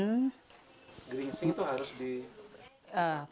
gringsing itu harus di